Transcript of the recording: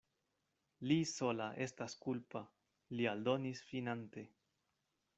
Li sola estas kulpa, li aldonis finante.